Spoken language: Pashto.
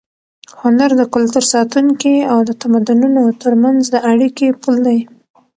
هنر د کلتور ساتونکی او د تمدنونو تر منځ د اړیکې پُل دی.